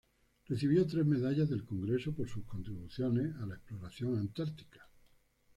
Recibió tres medallas del Congreso por sus contribuciones a la exploración antártica.